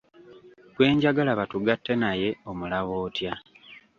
Gwe njagala batugatte naye omulaba otya.